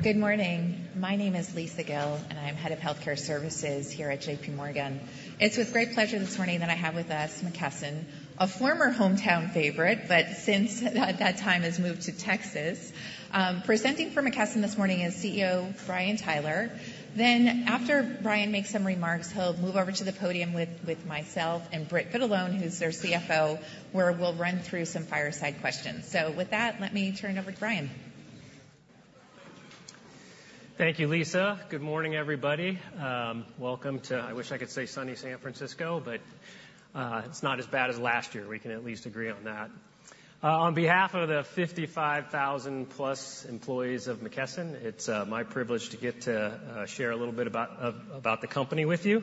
Good morning. My name is Lisa Gill, and I'm Head of Healthcare Services here at JPMorgan. It's with great pleasure this morning that I have with us McKesson, a former hometown favorite, but since at that time, has moved to Texas. Presenting for McKesson this morning is CEO Brian Tyler. Then, after Brian makes some remarks, he'll move over to the podium with myself and Britt Vitalone, who's their CFO, where we'll run through some fireside questions. With that, let me turn it over to Brian. Thank you, Lisa. Good morning, everybody. Welcome to... I wish I could say sunny San Francisco, but it's not as bad as last year. We can at least agree on that. On behalf of the 55,000-plus employees of McKesson, it's my privilege to get to share a little bit about the company with you.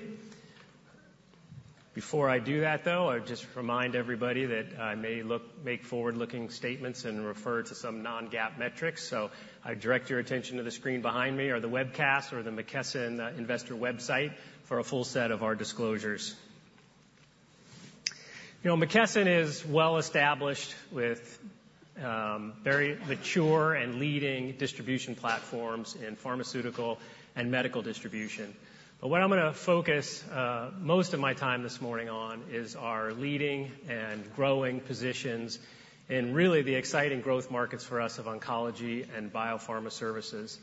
Before I do that, though, I would just remind everybody that I may make forward-looking statements and refer to some non-GAAP metrics. So I direct your attention to the screen behind me, or the webcast, or the McKesson investor website for a full set of our disclosures. You know, McKesson is well-established with very mature and leading distribution platforms in pharmaceutical and medical distribution. But what I'm gonna focus, most of my time this morning on, is our leading and growing positions, and really the exciting growth markets for us of oncology and biopharma services.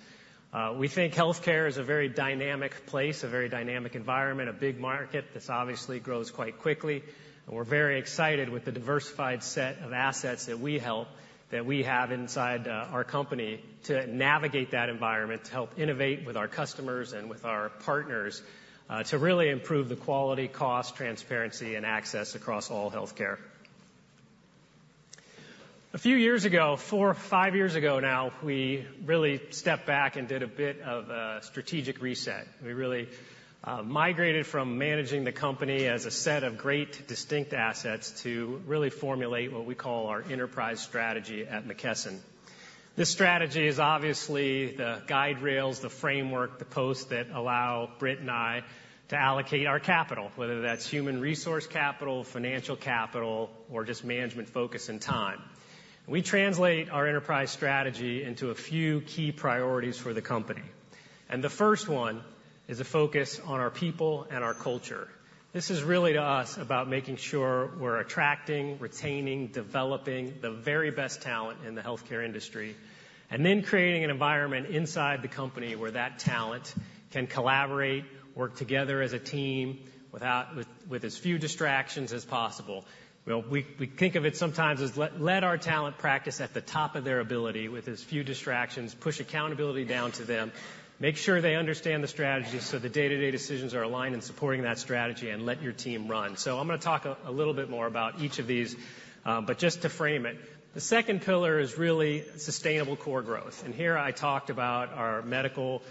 We think healthcare is a very dynamic place, a very dynamic environment, a big market that's obviously grows quite quickly. And we're very excited with the diversified set of assets that we help, that we have inside our company, to navigate that environment, to help innovate with our customers and with our partners to really improve the quality, cost, transparency, and access across all healthcare. A few years ago, four or five years ago now, we really stepped back and did a bit of a strategic reset. We really migrated from managing the company as a set of great distinct assets to really formulate what we call our enterprise strategy at McKesson. This strategy is obviously the guiderails, the framework, the posts that allow Britt and I to allocate our capital, whether that's human resource capital, financial capital, or just management focus and time. We translate our enterprise strategy into a few key priorities for the company, and the first one is a focus on our people and our culture. This is really, to us, about making sure we're attracting, retaining, developing the very best talent in the healthcare industry, and then creating an environment inside the company where that talent can collaborate, work together as a team, with as few distractions as possible. Well, we think of it sometimes as let our talent practice at the top of their ability with as few distractions, push accountability down to them, make sure they understand the strategy, so the day-to-day decisions are aligned in supporting that strategy, and let your team run. So I'm gonna talk a little bit more about each of these, but just to frame it. The second pillar is really sustainable core growth. And here I talked about our medical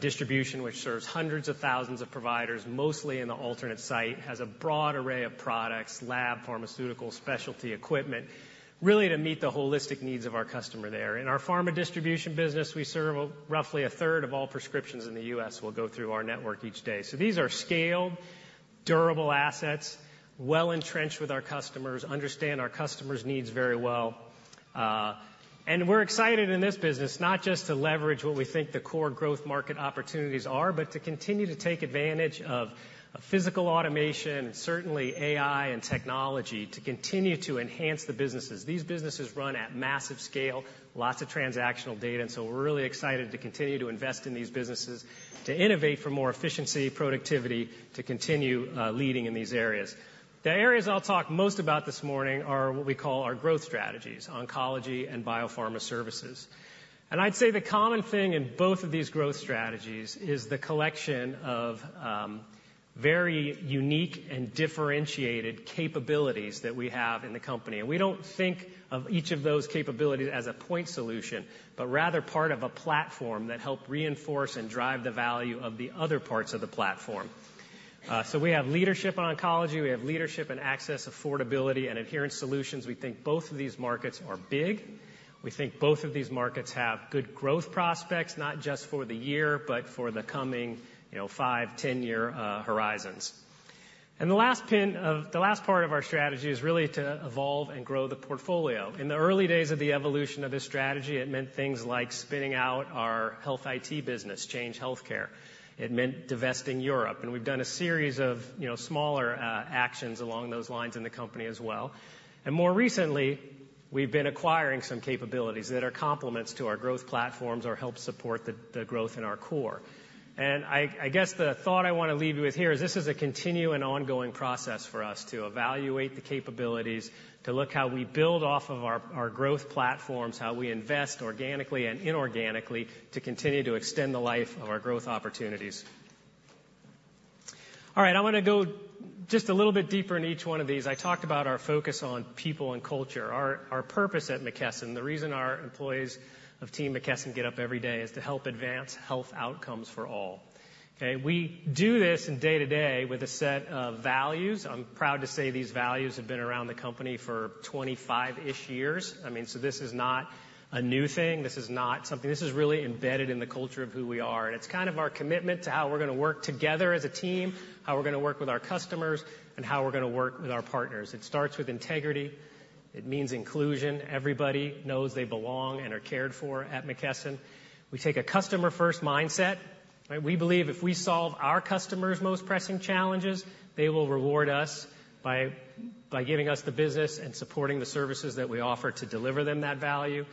distribution, which serves hundreds of thousands of providers, mostly in the alternate site, has a broad array of products, lab, pharmaceutical, specialty equipment, really to meet the holistic needs of our customer there. In our pharma distribution business, we serve roughly a third of all prescriptions in the U.S., will go through our network each day. So these are scaled, durable assets, well-entrenched with our customers, understand our customers' needs very well. And we're excited in this business not just to leverage what we think the core growth market opportunities are, but to continue to take advantage of, of physical automation and certainly AI and technology, to continue to enhance the businesses. These businesses run at massive scale, lots of transactional data, and so we're really excited to continue to invest in these businesses, to innovate for more efficiency, productivity, to continue leading in these areas. The areas I'll talk most about this morning are what we call our growth strategies, oncology and biopharma services. And I'd say the common thing in both of these growth strategies is the collection of very unique and differentiated capabilities that we have in the company. And we don't think of each of those capabilities as a point solution, but rather part of a platform that help reinforce and drive the value of the other parts of the platform. So we have leadership in oncology, we have leadership in access, affordability, and adherence solutions. We think both of these markets are big. We think both of these markets have good growth prospects, not just for the year, but for the coming, you know, 5, 10-year horizons. And the last part of our strategy is really to evolve and grow the portfolio. In the early days of the evolution of this strategy, it meant things like spinning out our health IT business, Change Healthcare. It meant divesting Europe, and we've done a series of, you know, smaller actions along those lines in the company as well. More recently, we've been acquiring some capabilities that are complements to our growth platforms or help support the, the growth in our core. And I, I guess the thought I wanna leave you with here is this is a continuing ongoing process for us to evaluate the capabilities, to look how we build off of our, our growth platforms, how we invest organically and inorganically, to continue to extend the life of our growth opportunities. All right, I wanna go just a little bit deeper in each one of these. I talked about our focus on people and culture. Our, our purpose at McKesson, the reason our employees of Team McKesson get up every day, is to help advance health outcomes for all, okay? We do this in day-to-day with a set of values. I'm proud to say these values have been around the company for 25-ish years. I mean, so this is not a new thing. This is not something... This is really embedded in the culture of who we are, and it's kind of our commitment to how we're gonna work together as a team, how we're gonna work with our customers, and how we're gonna work with our partners. It starts with integrity. It means inclusion. Everybody knows they belong and are cared for at McKesson. We take a customer-first mindset.... We believe if we solve our customers' most pressing challenges, they will reward us by, by giving us the business and supporting the services that we offer to deliver them that value.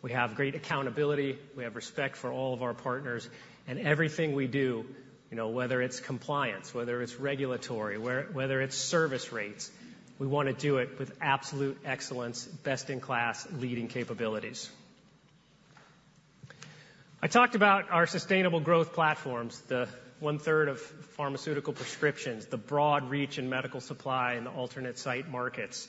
We have great accountability, we have respect for all of our partners, and everything we do, you know, whether it's compliance, whether it's regulatory, whether it's service rates, we wanna do it with absolute excellence, best-in-class, leading capabilities. I talked about our sustainable growth platforms, the one-third of pharmaceutical prescriptions, the broad reach in medical supply and the alternate site markets.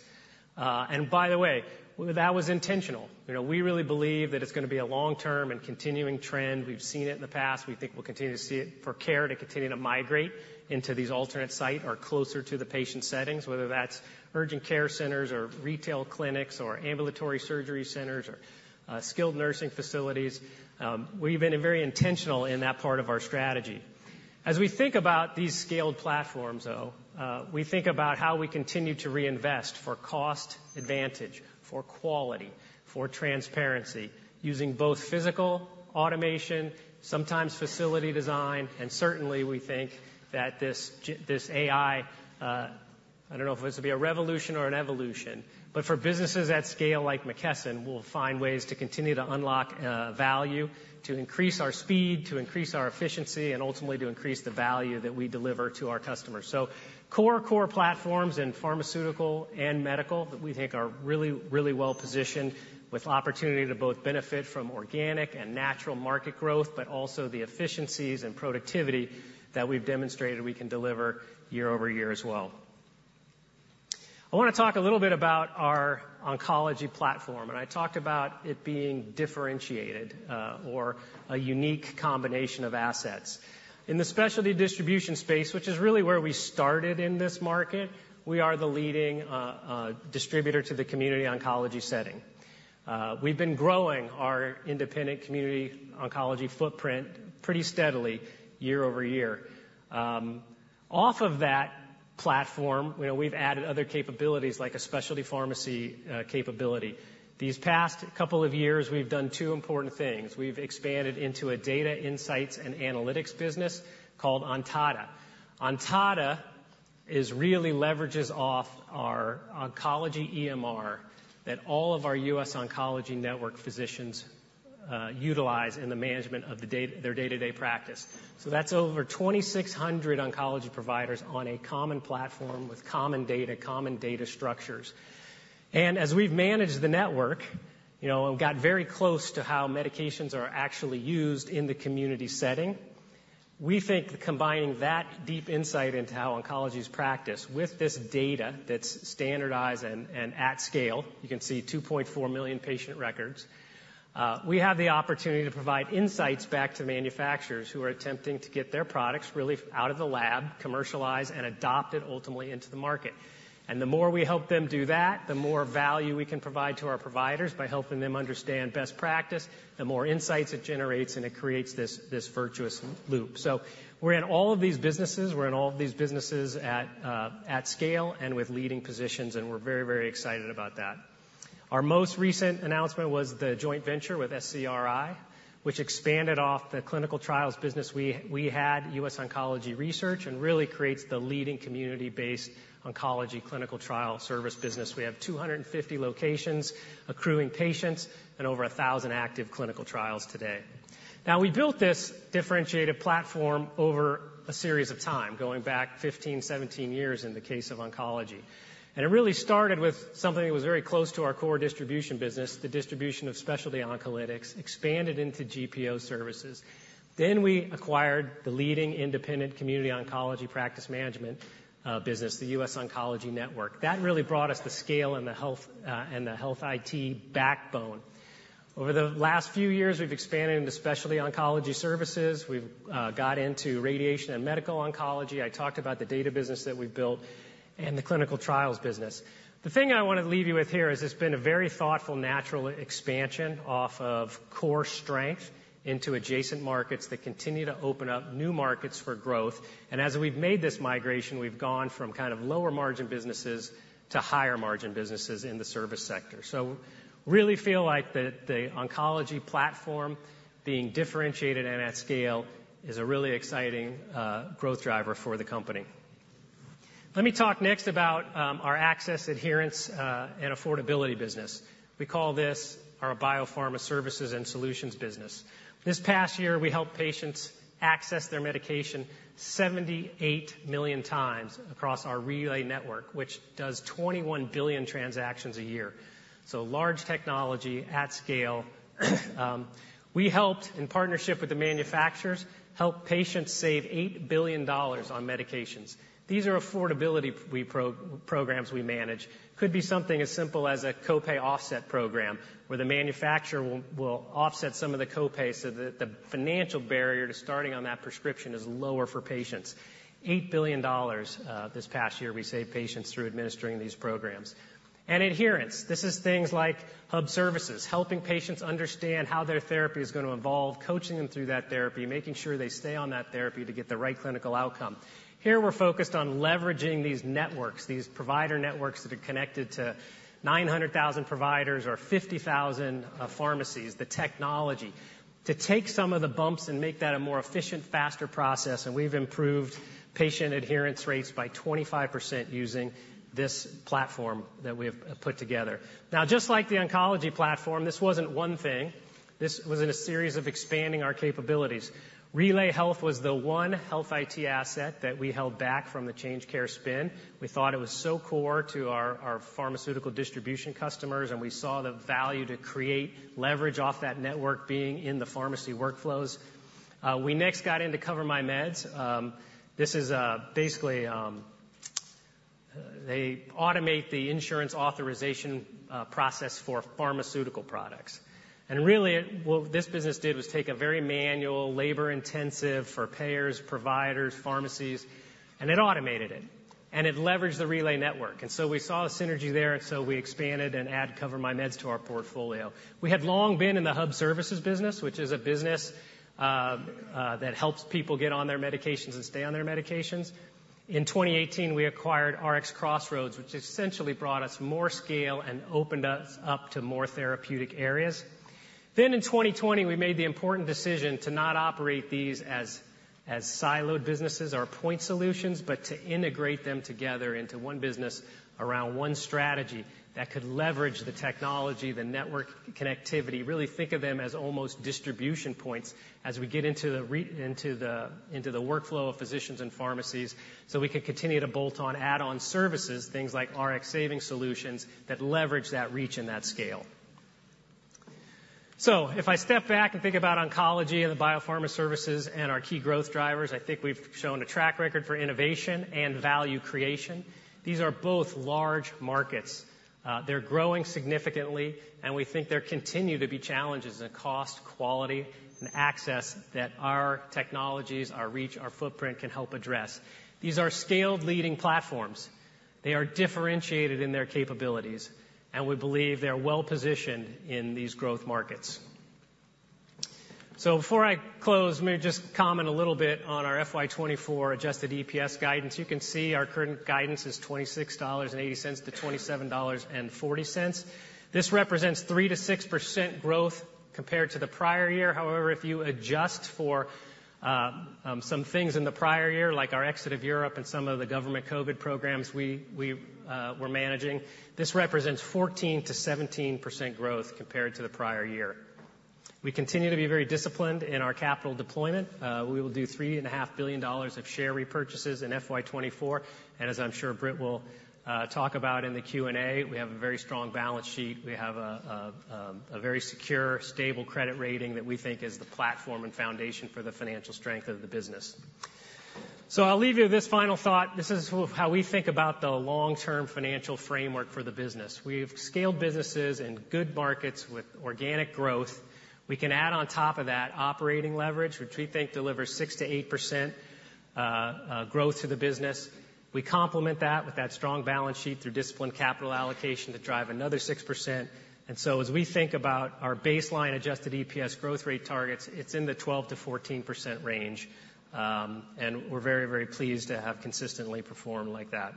And by the way, that was intentional. You know, we really believe that it's gonna be a long-term and continuing trend. We've seen it in the past. We think we'll continue to see it, for care to continue to migrate into these alternate site or closer to the patient settings, whether that's urgent care centers, or retail clinics, or ambulatory surgery centers, or skilled nursing facilities. We've been very intentional in that part of our strategy. As we think about these scaled platforms, though, we think about how we continue to reinvest for cost advantage, for quality, for transparency, using both physical automation, sometimes facility design, and certainly, we think that this AI, I don't know if this will be a revolution or an evolution, but for businesses at scale like McKesson, we'll find ways to continue to unlock, value, to increase our speed, to increase our efficiency, and ultimately, to increase the value that we deliver to our customers. So core, core platforms in pharmaceutical and medical that we think are really, really well-positioned, with opportunity to both benefit from organic and natural market growth, but also the efficiencies and productivity that we've demonstrated we can deliver year-over-year as well. I wanna talk a little bit about our oncology platform, and I talked about it being differentiated, or a unique combination of assets. In the specialty distribution space, which is really where we started in this market, we are the leading distributor to the community oncology setting. We've been growing our independent community oncology footprint pretty steadily year-over-year. Off of that platform, you know, we've added other capabilities like a specialty pharmacy capability. These past couple of years, we've done two important things. We've expanded into a data insights and analytics business called Ontada. Ontada is really leverages off our oncology EMR, that all of our US Oncology Network physicians utilize in the management of the day-to-day practice. So that's over 2,600 oncology providers on a common platform with common data, common data structures. As we've managed the network, you know, and got very close to how medications are actually used in the community setting, we think combining that deep insight into how oncologists practice with this data that's standardized and at scale, you can see 2.4 million patient records, we have the opportunity to provide insights back to manufacturers who are attempting to get their products really out of the lab, commercialized and adopted ultimately into the market. And the more we help them do that, the more value we can provide to our providers by helping them understand best practice, the more insights it generates, and it creates this virtuous loop. So we're in all of these businesses. We're in all of these businesses at scale and with leading positions, and we're very, very excited about that. Our most recent announcement was the joint venture with SCRI, which expanded off the clinical trials business we had, US Oncology Research, and really creates the leading community-based oncology clinical trial service business. We have 250 locations, accruing patients, and over 1,000 active clinical trials today. Now, we built this differentiated platform over a series of time, going back 15, 17 years in the case of oncology. And it really started with something that was very close to our core distribution business, the distribution of specialty oncolytics, expanded into GPO services. Then, we acquired the leading independent community oncology practice management business, the US Oncology Network. That really brought us the scale and the health and the health IT backbone. Over the last few years, we've expanded into specialty oncology services. We've got into radiation and medical oncology. I talked about the data business that we've built and the clinical trials business. The thing I wanna leave you with here is it's been a very thoughtful, natural expansion off of core strength into adjacent markets that continue to open up new markets for growth. As we've made this migration, we've gone from kind of lower-margin businesses to higher-margin businesses in the service sector. So really feel like the oncology platform being differentiated and at scale is a really exciting growth driver for the company. Let me talk next about our access, adherence, and affordability business. We call this our Pharma services and solutions business. This past year, we helped patients access their medication 78 million times across our relay network, which does 21 billion transactions a year. So large technology at scale. We helped, in partnership with the manufacturers, help patients save $8 billion on medications. These are affordability programs we manage. Could be something as simple as a copay offset program, where the manufacturer will offset some of the copay so that the financial barrier to starting on that prescription is lower for patients. $8 billion, this past year, we saved patients through administering these programs. And adherence. This is things like hub services, helping patients understand how their therapy is gonna evolve, coaching them through that therapy, making sure they stay on that therapy to get the right clinical outcome. Here, we're focused on leveraging these networks, these provider networks that are connected to 900,000 providers or 50,000 pharmacies, the technology, to take some of the bumps and make that a more efficient, faster process, and we've improved patient adherence rates by 25% using this platform that we've put together. Now, just like the oncology platform, this wasn't one thing. This was in a series of expanding our capabilities. RelayHealth was the one health IT asset that we held back from the Change Healthcare spin. We thought it was so core to our pharmaceutical distribution customers, and we saw the value to create leverage off that network being in the pharmacy workflows. We next got into CoverMyMeds. This is basically they automate the insurance authorization process for pharmaceutical products. And really, what this business did was take a very manual, labor-intensive for payers, providers, pharmacies, and it automated it, and it leveraged the Relay network. And so we saw a synergy there, and so we expanded and add CoverMyMeds to our portfolio. We had long been in the hub services business, which is a business that helps people get on their medications and stay on their medications. In 2018, we acquired RxCrossroads, which essentially brought us more scale and opened us up to more therapeutic areas. Then in 2020, we made the important decision to not operate these as siloed businesses or point solutions, but to integrate them together into one business around one strategy that could leverage the technology, the network connectivity, really think of them as almost distribution points as we get into the workflow of physicians and pharmacies, so we could continue to bolt on, add on services, things like Rx Savings Solutions, that leverage that reach and that scale. So if I step back and think about oncology and the biopharma services and our key growth drivers, I think we've shown a track record for innovation and value creation. These are both large markets. They're growing significantly, and we think there continue to be challenges in cost, quality, and access that our technologies, our reach, our footprint can help address. These are scaled leading platforms. They are differentiated in their capabilities, and we believe they're well-positioned in these growth markets. So before I close, let me just comment a little bit on our FY 2024 Adjusted EPS guidance. You can see our current guidance is $26.80-$27.40. This represents 3%-6% growth compared to the prior year. However, if you adjust for some things in the prior year, like our exit of Europe and some of the government COVID programs we're managing, this represents 14%-17% growth compared to the prior year. We continue to be very disciplined in our capital deployment. We will do $3.5 billion of share repurchases in FY 2024, and as I'm sure Britt will talk about in the Q&A, we have a very strong balance sheet. We have a very secure, stable credit rating that we think is the platform and foundation for the financial strength of the business. So I'll leave you with this final thought. This is how we think about the long-term financial framework for the business. We've scaled businesses in good markets with organic growth. We can add on top of that operating leverage, which we think delivers 6%-8% growth to the business. We complement that with that strong balance sheet through disciplined capital allocation to drive another 6%. As we think about our baseline Adjusted EPS growth rate targets, it's in the 12%-14% range, and we're very, very pleased to have consistently performed like that.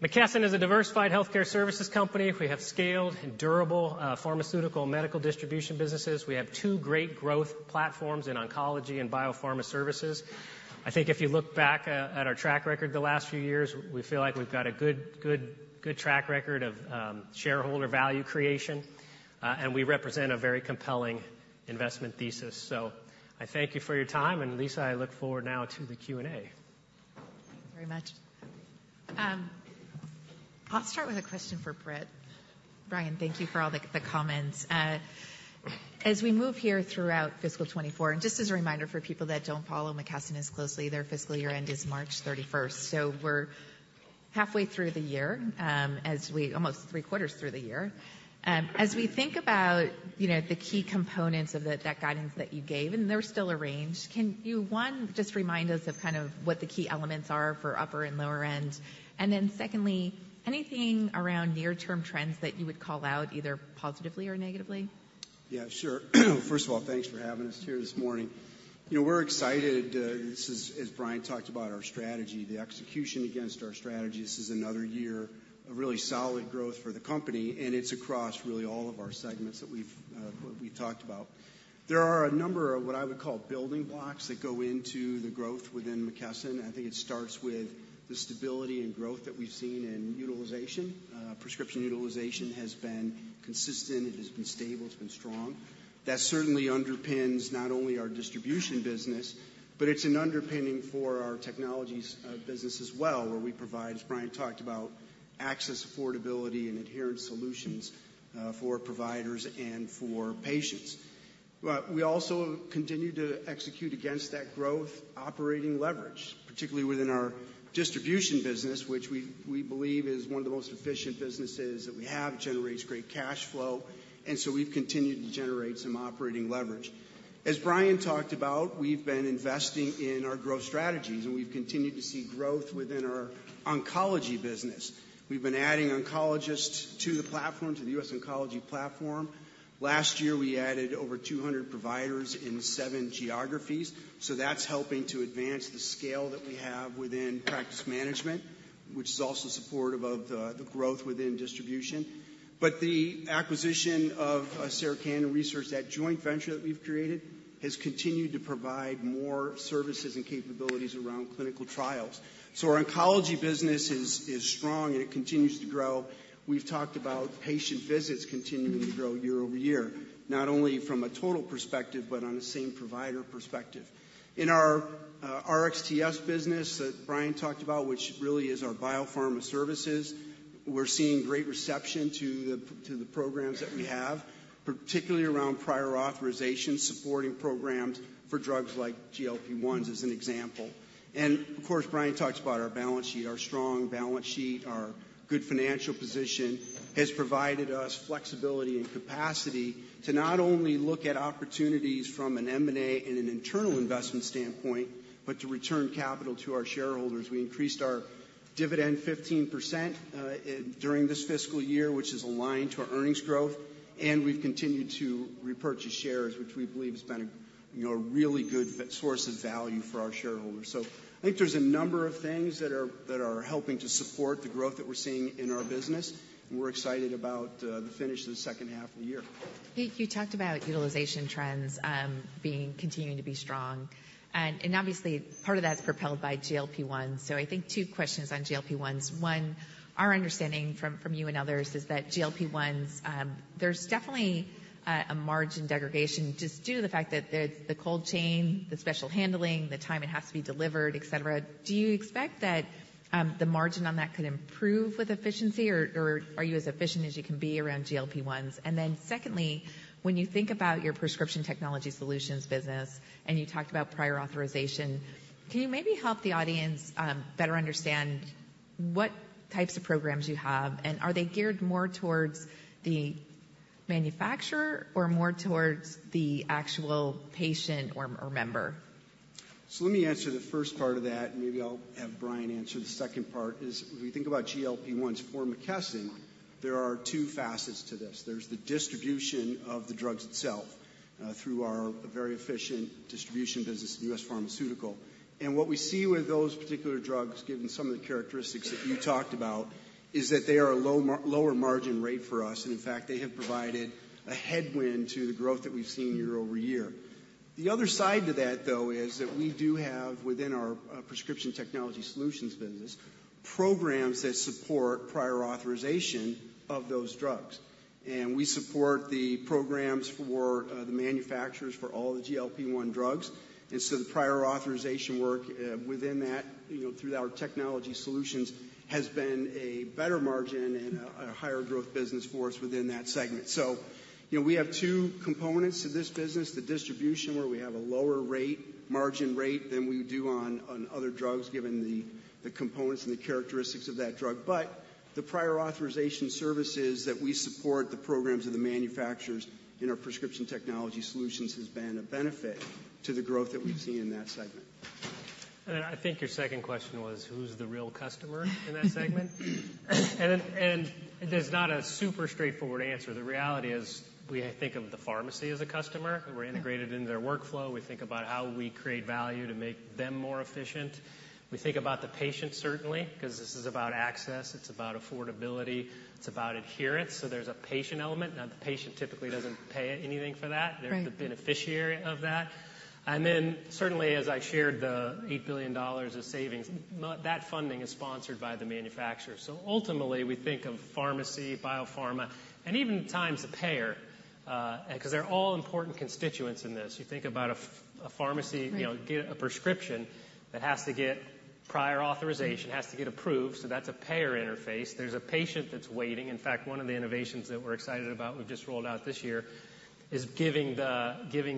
McKesson is a diversified healthcare services company. We have scaled and durable pharmaceutical and medical distribution businesses. We have two great growth platforms in oncology and biopharma services. I think if you look back at our track record the last few years, we feel like we've got a good, good, good track record of shareholder value creation, and we represent a very compelling investment thesis. I thank you for your time, and, Lisa, I look forward now to the Q&A. Thank you very much. I'll start with a question for Britt. Brian, thank you for all the comments. As we move here throughout fiscal 2024, and just as a reminder for people that don't follow McKesson as closely, their fiscal year end is March 31st. So we're halfway through the year. Almost three quarters through the year. As we think about, you know, the key components of the, that guidance that you gave, and they're still arranged, can you, one, just remind us of kind of what the key elements are for upper and lower end? And then secondly, anything around near-term trends that you would call out either positively or negatively? Yeah, sure. First of all, thanks for having us here this morning. You know, we're excited, this is, as Brian talked about our strategy, the execution against our strategy. This is another year of really solid growth for the company, and it's across really all of our segments that we've, we've talked about. There are a number of what I would call building blocks that go into the growth within McKesson. I think it starts with the stability and growth that we've seen in utilization. Prescription utilization has been consistent, it has been stable, it's been strong. That certainly underpins not only our distribution business, but it's an underpinning for our technologies, business as well, where we provide, as Brian talked about, access, affordability, and adherence solutions, for providers and for patients. We also continue to execute against that growth operating leverage, particularly within our distribution business, which we believe is one of the most efficient businesses that we have. It generates great cash flow, and so we've continued to generate some operating leverage. As Brian talked about, we've been investing in our growth strategies, and we've continued to see growth within our oncology business. We've been adding oncologists to the platform, to the U.S. Oncology platform. Last year, we added over 200 providers in seven geographies, so that's helping to advance the scale that we have within practice management, which is also supportive of the growth within distribution. But the acquisition of Sarah Cannon Research, that joint venture that we've created, has continued to provide more services and capabilities around clinical trials. So our oncology business is strong, and it continues to grow. We've talked about patient visits continuing to grow year over year, not only from a total perspective but on the same provider perspective. In our RxTS business that Brian talked about, which really is our biopharma services, we're seeing great reception to the programs that we have, particularly around prior authorization, supporting programs for drugs like GLP-1s, as an example. Of course, Brian talked about our balance sheet. Our strong balance sheet, our good financial position, has provided us flexibility and capacity to not only look at opportunities from an M&A and an internal investment standpoint, but to return capital to our shareholders. We increased our dividend 15% in during this fiscal year, which is aligned to our earnings growth, and we've continued to repurchase shares, which we believe has been a, you know, a really good source of value for our shareholders. So I think there's a number of things that are helping to support the growth that we're seeing in our business, and we're excited about the finish of the second half of the year. Pete, you talked about utilization trends, continuing to be strong. And obviously, part of that's propelled by GLP-1. So I think two questions on GLP-1s. One, our understanding from you and others is that GLP-1s, there's definitely a margin degradation just due to the fact that the cold chain, the special handling, the time it has to be delivered, et cetera. Do you expect that the margin on that could improve with efficiency, or are you as efficient as you can be around GLP-1s? And then secondly, when you think about your prescription technology solutions business, and you talked about prior authorization, can you maybe help the audience better understand what types of programs you have, and are they geared more towards the manufacturer or more towards the actual patient or member? So let me answer the first part of that, and maybe I'll have Brian answer the second part, is when we think about GLP-1s for McKesson, there are two facets to this. There's the distribution of the drugs itself through our very efficient distribution business, U.S. Pharmaceutical. And what we see with those particular drugs, given some of the characteristics that you talked about, is that they are a lower margin rate for us, and in fact, they have provided a headwind to the growth that we've seen year-over-year. The other side to that, though, is that we do have, within our prescription technology solutions business, programs that support prior authorization of those drugs. And we support the programs for the manufacturers for all the GLP-1 drugs. And so the prior authorization work, within that, you know, through our technology solutions, has been a better margin and a higher growth business for us within that segment. So, you know, we have two components to this business: the distribution, where we have a lower rate, margin rate than we do on other drugs, given the components and the characteristics of that drug. But the prior authorization services that we support, the programs of the manufacturers in our prescription technology solutions, has been a benefit to the growth that we've seen in that segment. I think your second question was, who's the real customer in that segment? And there's not a super straightforward answer. The reality is, we think of the pharmacy as a customer. We're integrated into their workflow. We think about how we create value to make them more efficient. We think about the patient, certainly, 'cause this is about access, it's about affordability, it's about adherence, so there's a patient element. Now, the patient typically doesn't pay anything for that. Right. There's a beneficiary of that. And then, certainly, as I shared, the $8 billion of savings, that funding is sponsored by the manufacturer. So ultimately, we think of pharmacy, biopharma, and even at times, the payer, 'cause they're all important constituents in this. You think about a pharmacy- Right... you know, get a prescription that has to get prior authorization, has to get approved, so that's a payer interface. There's a patient that's waiting. In fact, one of the innovations that we're excited about, we've just rolled out this year, is giving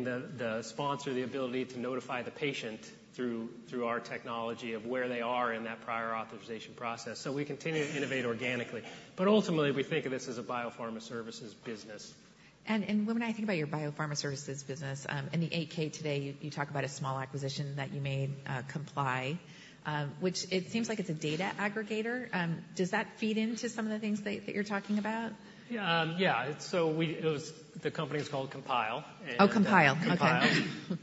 the sponsor the ability to notify the patient through our technology of where they are in that prior authorization process. So we continue to innovate organically, but ultimately, we think of this as a biopharma services business. When I think about your biopharma services business, in the 8-K today, you talk about a small acquisition that you made, Compile, which it seems like it's a data aggregator. Does that feed into some of the things that you're talking about? Yeah. So it was, the company was called Compile. Oh, Compile. Okay. Compile.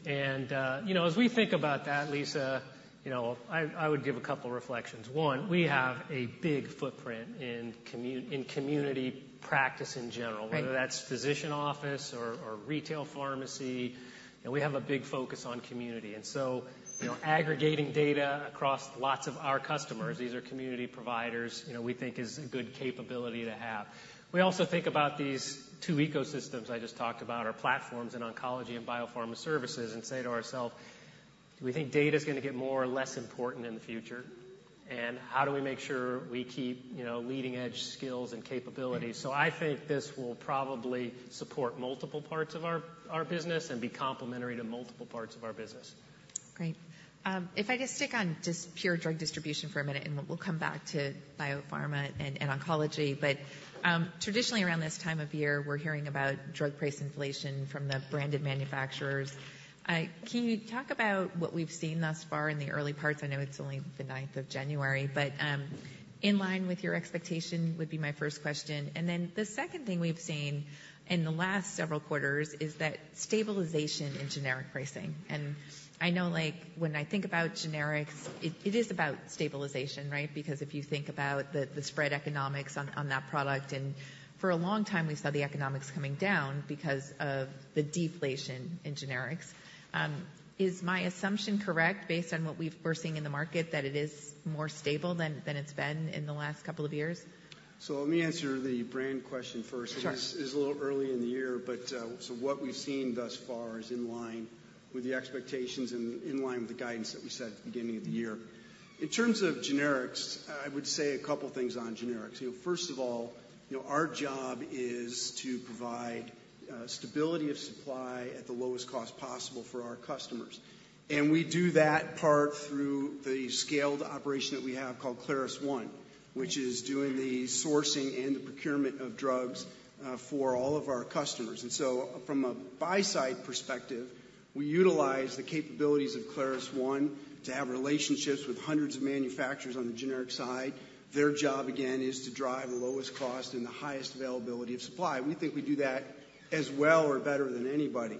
And, you know, as we think about that, Lisa, you know, I would give a couple reflections. One, we have a big footprint in community practice in general- Right... whether that's physician office or retail pharmacy, and we have a big focus on community. So, you know, aggregating data across lots of our customers, these are community providers, you know, we think is a good capability to have. We also think about these two ecosystems I just talked about, our platforms in oncology and biopharma services, and say to ourselves: Do we think data's gonna get more or less important in the future? And how do we make sure we keep, you know, leading-edge skills and capabilities? So I think this will probably support multiple parts of our business and be complementary to multiple parts of our business.... Great. If I just stick on just pure drug distribution for a minute, and we'll, we'll come back to biopharma and, and oncology. But, traditionally, around this time of year, we're hearing about drug price inflation from the branded manufacturers. Can you talk about what we've seen thus far in the early parts? I know it's only the ninth of January, but, in line with your expectation, would be my first question. And then the second thing we've seen in the last several quarters is that stabilization in generic pricing. And I know, like, when I think about generics, it, it is about stabilization, right? Because if you think about the, the spread economics on, on that product, and for a long time, we saw the economics coming down because of the deflation in generics. Is my assumption correct, based on what we're seeing in the market, that it is more stable than it's been in the last couple of years? Let me answer the brand question first. Sure. It is a little early in the year, but so what we've seen thus far is in line with the expectations and in line with the guidance that we set at the beginning of the year. In terms of generics, I would say a couple things on generics. You know, first of all, you know, our job is to provide stability of supply at the lowest cost possible for our customers, and we do that part through the scaled operation that we have called ClarusONE, which is doing the sourcing and the procurement of drugs for all of our customers. And so from a buy-side perspective, we utilize the capabilities of ClarusONE to have relationships with hundreds of manufacturers on the generic side. Their job, again, is to drive the lowest cost and the highest availability of supply. We think we do that as well or better than anybody.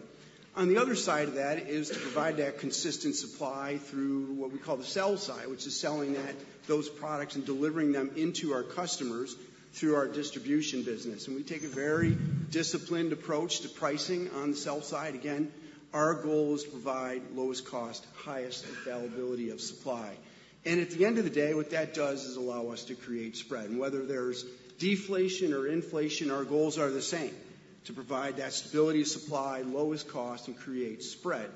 On the other side of that, is to provide that consistent supply through what we call the sell side, which is selling that, those products and delivering them into our customers through our distribution business. And we take a very disciplined approach to pricing on the sell side. Again, our goal is to provide lowest cost, highest availability of supply. And at the end of the day, what that does is allow us to create spread. And whether there's deflation or inflation, our goals are the same, to provide that stability of supply, lowest cost, and create spread.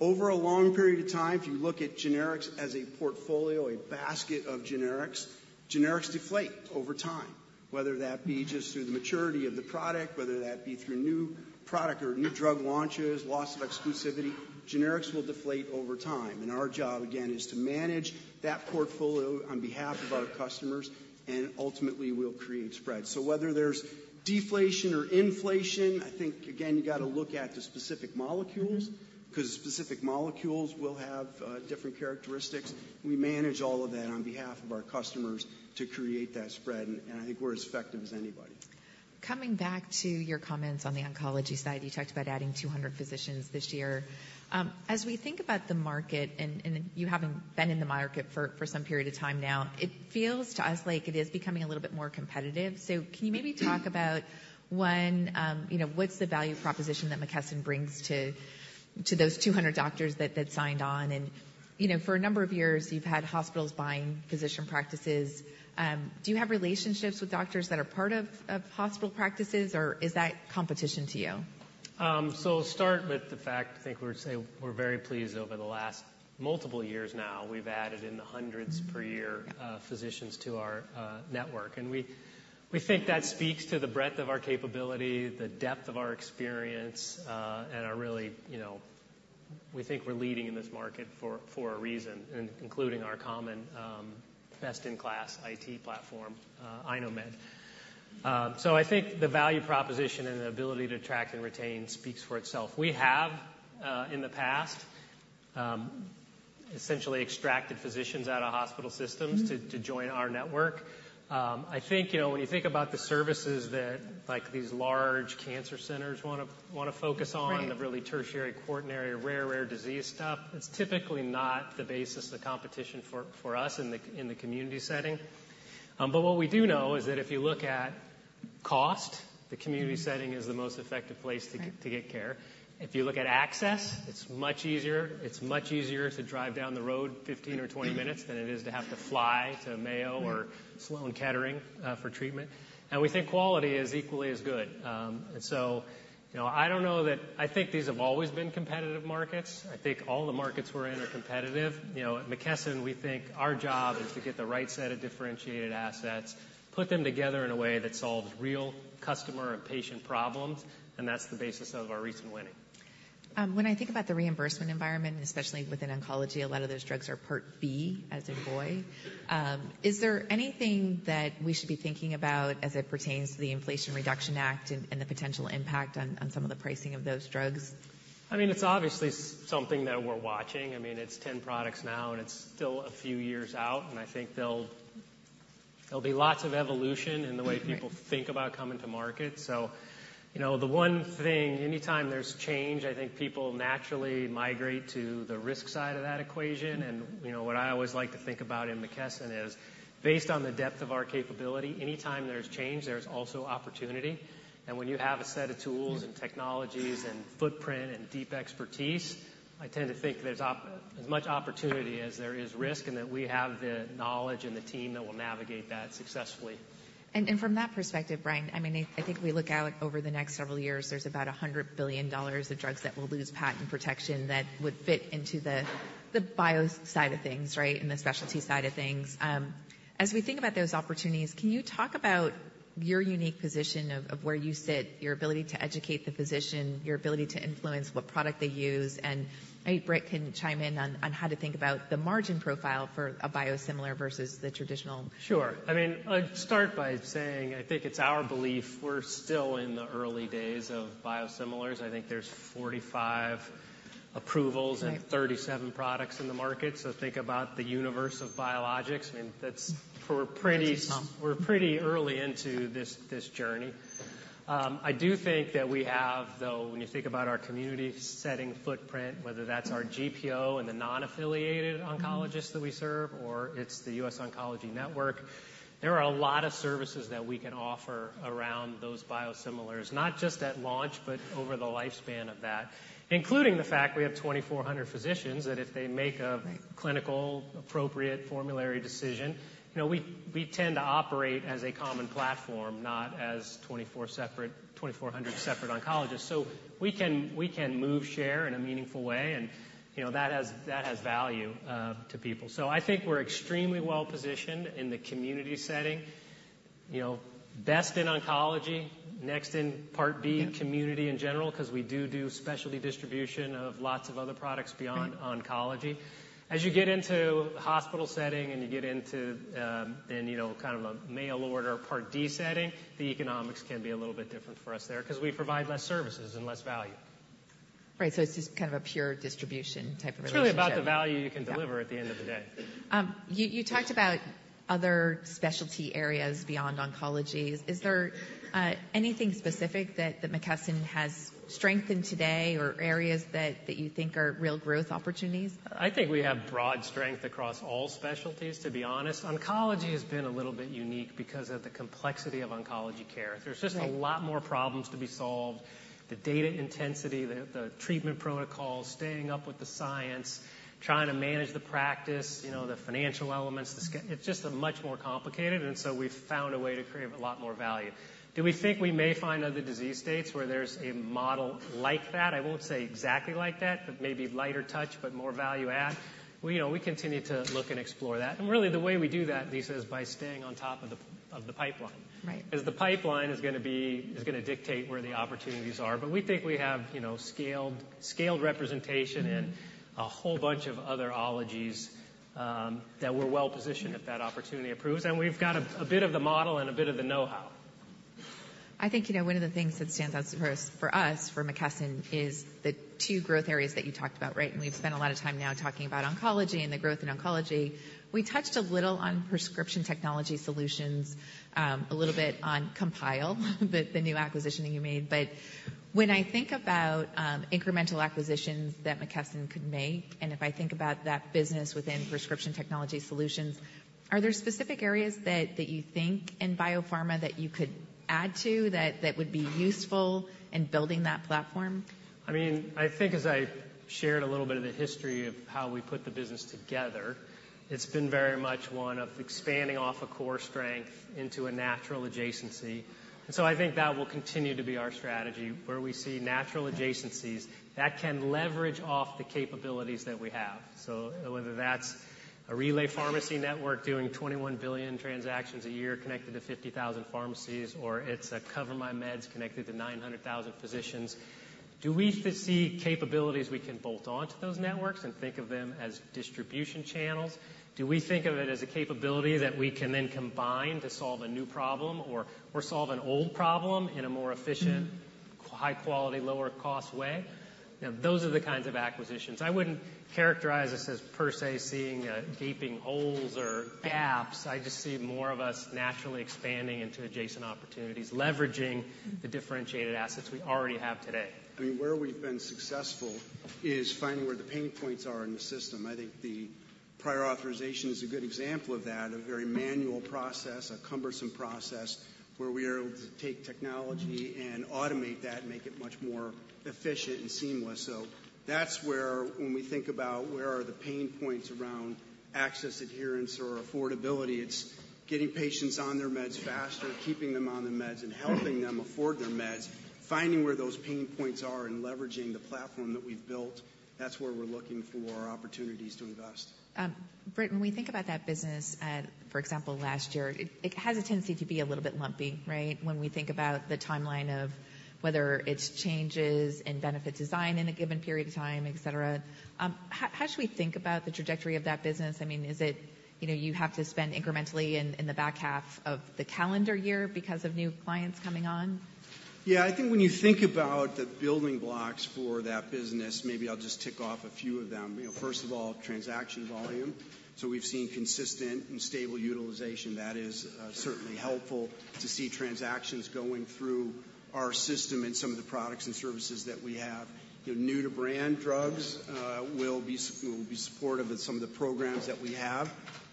Over a long period of time, if you look at generics as a portfolio, a basket of generics, generics deflate over time, whether that be just through the maturity of the product, whether that be through new product or new drug launches, loss of exclusivity, generics will deflate over time, and our job, again, is to manage that portfolio on behalf of our customers, and ultimately, we'll create spread. So whether there's deflation or inflation, I think, again, you gotta look at the specific molecules- Mm-hmm. 'cause specific molecules will have different characteristics. We manage all of that on behalf of our customers to create that spread, and, and I think we're as effective as anybody. Coming back to your comments on the oncology side, you talked about adding 200 physicians this year. As we think about the market, and you having been in the market for some period of time now, it feels to us like it is becoming a little bit more competitive. So can you maybe talk about when, you know, what's the value proposition that McKesson brings to those 200 doctors that signed on? And, you know, for a number of years, you've had hospitals buying physician practices. Do you have relationships with doctors that are part of hospital practices, or is that competition to you? So, start with the fact, I think we're saying, we're very pleased over the last multiple years now, we've added in the hundreds per year- Yeah... physicians to our network, and we think that speaks to the breadth of our capability, the depth of our experience, and our really, you know... We think we're leading in this market for a reason, including our common best-in-class IT platform, iKnowMed. So I think the value proposition and the ability to attract and retain speaks for itself. We have, in the past, essentially extracted physicians out of hospital systems- Mm-hmm... to join our network. I think, you know, when you think about the services that, like, these large cancer centers wanna focus on- Right the really tertiary, quaternary, rare, rare disease stuff, it's typically not the basis of the competition for, for us in the, in the community setting. But what we do know is that if you look at cost, the community setting- Mm-hmm... is the most effective place to get- Right... to get care. If you look at access, it's much easier. It's much easier to drive down the road 15 or 20 minutes than it is to have to fly to Mayo or- Mm-hmm ...Sloan Kettering for treatment, and we think quality is equally as good. And so, you know, I don't know that—I think these have always been competitive markets. I think all the markets we're in are competitive. You know, at McKesson, we think our job is to get the right set of differentiated assets, put them together in a way that solves real customer and patient problems, and that's the basis of our recent winning. When I think about the reimbursement environment, especially within oncology, a lot of those drugs are Part B, as in boy. Is there anything that we should be thinking about as it pertains to the Inflation Reduction Act and the potential impact on some of the pricing of those drugs? I mean, it's obviously something that we're watching. I mean, it's 10 products now, and it's still a few years out, and I think there'll be lots of evolution in the way- Right... people think about coming to market. So, you know, the one thing, anytime there's change, I think people naturally migrate to the risk side of that equation. And, you know, what I always like to think about in McKesson is, based on the depth of our capability, anytime there's change, there's also opportunity. And when you have a set of tools and technologies and footprint and deep expertise, I tend to think there's as much opportunity as there is risk, and that we have the knowledge and the team that will navigate that successfully. ... And from that perspective, Brian, I mean, I think if we look out over the next several years, there's about $100 billion of drugs that will lose patent protection that would fit into the bio side of things, right? And the specialty side of things. As we think about those opportunities, can you talk about your unique position of where you sit, your ability to educate the physician, your ability to influence what product they use? And maybe Britt can chime in on how to think about the margin profile for a biosimilar versus the traditional. Sure. I mean, I'd start by saying, I think it's our belief we're still in the early days of biosimilars. I think there's 45 approvals. Right - and 37 products in the market. So think about the universe of biologics. I mean, that's, we're pretty- That's awesome. We're pretty early into this, this journey. I do think that we have, though, when you think about our community setting footprint, whether that's our GPO and the non-affiliated oncologists- Mm-hmm - that we serve, or it's the US Oncology Network, there are a lot of services that we can offer around those biosimilars, not just at launch, but over the lifespan of that, including the fact we have 2,400 physicians, that if they make a- Right... clinically appropriate formulary decision, you know, we tend to operate as a common platform, not as 24 separate, 2,400 separate oncologists. So we can move, share in a meaningful way, and, you know, that has value to people. So I think we're extremely well-positioned in the community setting, you know, best in oncology, next in Part B- Yeah community in general, 'cause we do do specialty distribution of lots of other products. Right Beyond oncology. As you get into hospital setting, and you get into, then, you know, kind of a mail order Part D setting, the economics can be a little bit different for us there 'cause we provide less services and less value. Right. So it's just kind of a pure distribution type of relationship. It's really about the value you can deliver- Yeah at the end of the day. You talked about other specialty areas beyond oncology. Is there anything specific that McKesson has strength in today or areas that you think are real growth opportunities? I think we have broad strength across all specialties, to be honest. Oncology has been a little bit unique because of the complexity of oncology care. Right. There's just a lot more problems to be solved, the data intensity, the treatment protocols, staying up with the science, trying to manage the practice, you know, the financial elements, it's just a much more complicated, and so we've found a way to create a lot more value. Do we think we may find other disease states where there's a model like that? I won't say exactly like that, but maybe lighter touch, but more value add. Well, you know, we continue to look and explore that, and really, the way we do that, Lisa, is by staying on top of the pipeline. Right. 'Cause the pipeline is gonna dictate where the opportunities are. But we think we have, you know, scaled representation and a whole bunch of other ologies that we're well-positioned- Mm-hmm If that opportunity approves, and we've got a bit of the model and a bit of the know-how. I think, you know, one of the things that stands out for us, for us, for McKesson, is the two growth areas that you talked about, right? And we've spent a lot of time now talking about oncology and the growth in oncology. We touched a little on prescription technology solutions, a little bit on Compile, the new acquisition that you made. But when I think about incremental acquisitions that McKesson could make, and if I think about that business within prescription technology solutions, are there specific areas that you think in biopharma that you could add to, that would be useful in building that platform? I mean, I think as I shared a little bit of the history of how we put the business together, it's been very much one of expanding off a core strength into a natural adjacency. And so I think that will continue to be our strategy, where we see natural adjacencies that can leverage off the capabilities that we have. So whether that's a Relay Pharmacy network doing 21 billion transactions a year connected to 50,000 pharmacies, or it's a CoverMyMeds connected to 900,000 physicians, do we foresee capabilities we can bolt on to those networks and think of them as distribution channels? Do we think of it as a capability that we can then combine to solve a new problem or, or solve an old problem in a more efficient- Mm-hmm... high quality, lower cost way? Now, those are the kinds of acquisitions. I wouldn't characterize this as per se, seeing gaping holes or gaps. I just see more of us naturally expanding into adjacent opportunities, leveraging- Mm-hmm the differentiated assets we already have today. I mean, where we've been successful is finding where the pain points are in the system. I think the prior authorization is a good example of that, a very manual process, a cumbersome process where we are able to take technology and automate that and make it much more efficient and seamless. So that's where when we think about where are the pain points around access, adherence, or affordability, it's getting patients on their meds faster, keeping them on the meds, and helping them afford their meds. Finding where those pain points are and leveraging the platform that we've built, that's where we're looking for opportunities to invest. Britt, when we think about that business, for example, last year, it has a tendency to be a little bit lumpy, right? When we think about the timeline of whether it's changes in benefit design in a given period of time, et cetera. How should we think about the trajectory of that business? I mean, is it, you know, you have to spend incrementally in the back half of the calendar year because of new clients coming on? Yeah. I think when you think about the building blocks for that business, maybe I'll just tick off a few of them. You know, first of all, transaction volume. So we've seen consistent and stable utilization. That is, certainly helpful to see transactions going through our system and some of the products and services that we have. New-to-brand drugs will be supportive of some of the programs that we have,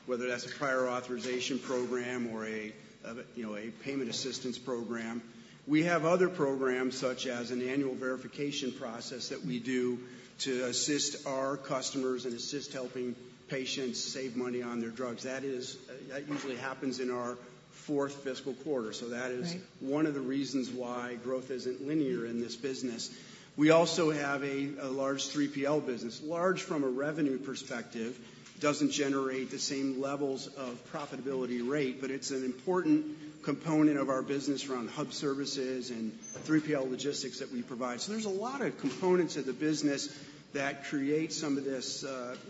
whether that's a prior authorization program or a, you know, a payment assistance program. We have other programs, such as an annual verification process that we do to assist our customers and assist helping patients save money on their drugs. That usually happens in our fourth fiscal quarter. Right. So that is one of the reasons why growth isn't linear in this business. We also have a large 3PL business. Large from a revenue perspective, doesn't generate the same levels of profitability rate, but it's an important component of our business around hub services and 3PL logistics that we provide. So there's a lot of components of the business that create some of this,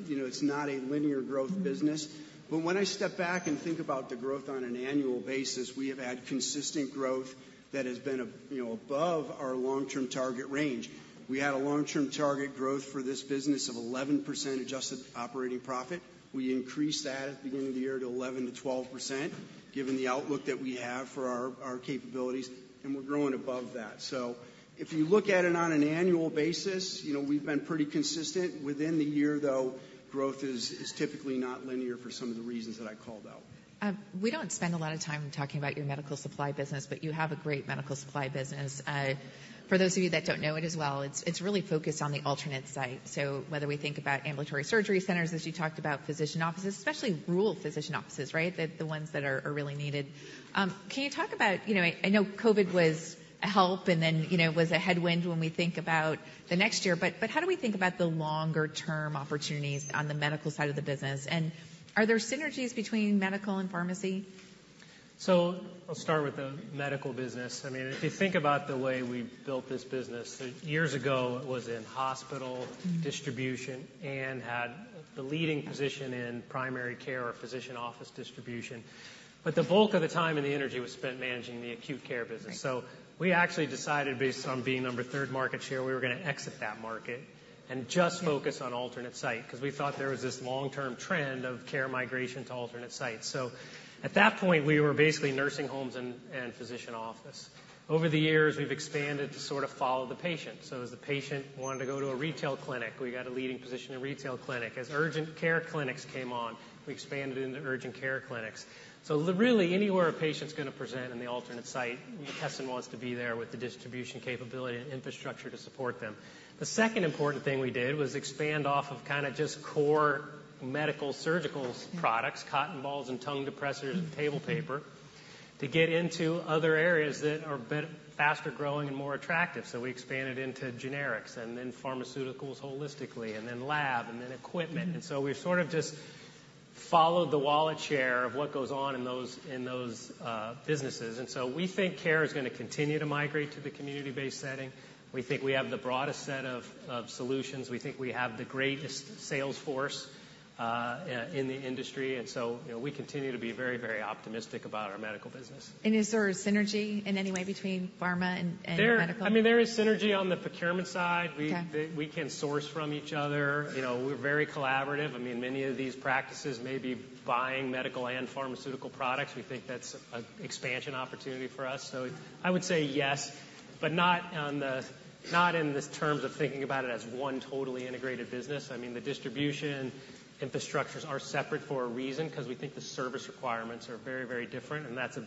you know, it's not a linear growth business. Mm-hmm. But when I step back and think about the growth on an annual basis, we have had consistent growth that has been, you know, above our long-term target range. We had a long-term target growth for this business of 11% adjusted operating profit. We increased that at the beginning of the year to 11%-12%, given the outlook that we have for our, our capabilities, and we're growing above that. So if you look at it on an annual basis, you know, we've been pretty consistent. Within the year, though, growth is, is typically not linear for some of the reasons that I called out. We don't spend a lot of time talking about your medical supply business, but you have a great medical supply business. For those of you that don't know it as well, it's really focused on the alternate site. So whether we think about ambulatory surgery centers, as you talked about, physician offices, especially rural physician offices, right? The ones that are really needed. Can you talk about... You know, I know COVID was a help and then, you know, was a headwind when we think about the next year, but how do we think about the longer-term opportunities on the medical side of the business? And are there synergies between medical and pharmacy? I'll start with the medical business. I mean, if you think about the way we built this business, years ago, it was in hospital distribution. Mm-hmm. and had the leading position in primary care or physician office distribution. But the bulk of the time and the energy was spent managing the acute care business. Right. We actually decided, based on being number third market share, we were gonna exit that market and just- Mm-hmm. Focus on alternate site, because we thought there was this long-term trend of care migration to alternate sites. So at that point, we were basically nursing homes and physician office. Over the years, we've expanded to sort of follow the patient. So as the patient wanted to go to a retail clinic, we got a leading position in retail clinic. As urgent care clinics came on, we expanded into urgent care clinics. So really, anywhere a patient's gonna present in the alternate site, McKesson wants to be there with the distribution capability and infrastructure to support them. The second important thing we did was expand off of kinda just core medical surgical products - Mm. cotton balls and tongue depressors and table paper, to get into other areas that are a bit faster growing and more attractive. So we expanded into generics and then pharmaceuticals holistically, and then lab, and then equipment. Mm-hmm. And so we've sort of just followed the wallet share of what goes on in those businesses. We think care is gonna continue to migrate to the community-based setting. We think we have the broadest set of solutions. We think we have the greatest sales force in the industry, and so, you know, we continue to be very, very optimistic about our medical business. Is there a synergy in any way between pharma and medical? I mean, there is synergy on the procurement side. Okay. We can source from each other. You know, we're very collaborative. I mean, many of these practices may be buying medical and pharmaceutical products. We think that's an expansion opportunity for us. So I would say yes, but not on the, not in the terms of thinking about it as one totally integrated business. I mean, the distribution infrastructures are separate for a reason, because we think the service requirements are very, very different, and that's a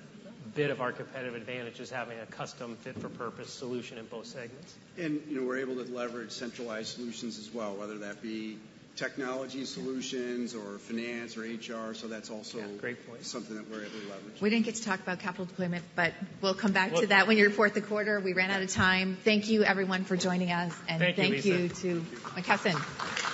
bit of our competitive advantage, is having a custom fit-for-purpose solution in both segments. And, you know, we're able to leverage centralized solutions as well, whether that be technology solutions or finance or HR, so that's also- Yeah, great point. something that we're able to leverage. We didn't get to talk about capital deployment, but we'll come back to that when you report the quarter. Yeah. We ran out of time. Thank you, everyone, for joining us- Thank you, Lisa. Thank you to McKesson.